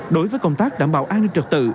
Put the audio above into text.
đối với công tác đảm bảo an ninh trật tự